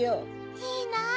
いいな。